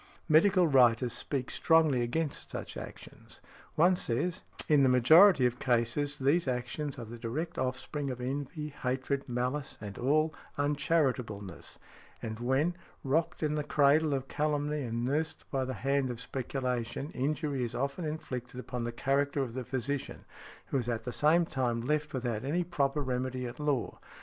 Medical writers speak strongly against such actions. One says, "In the majority of cases these actions are the direct offspring of envy, hatred, malice and all uncharitableness, and when, rocked in the cradle of calumny and nursed by the hand of speculation, injury is often inflicted upon the character of the physician, who is at the same time left without any proper remedy at law.